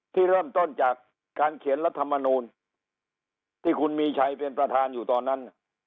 ที่เริ่มต้นจากการเขียนรัฐมนูลที่คุณมีชัยเป็นประธานอยู่ตอนนั้น